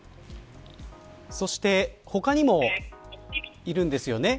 そして他にもいるんですよね。